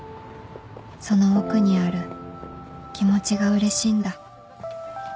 その奥にある気持ちがうれしいんだ